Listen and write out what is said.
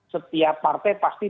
setiap partai pasti